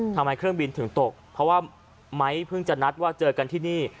ทำไมเครื่องบินถึงตกเพราะว่าไม้เพิ่งจะนัดว่าเจอกันที่นี่